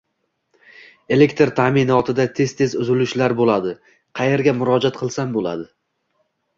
Elektr taʼminotida tez-tez uzilishlar bo‘ladi, qayerga murojaat qilsam bo‘ladi?